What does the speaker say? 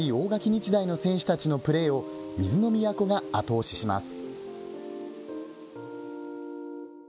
日大の選手たちのプレーを水の都が後押しします。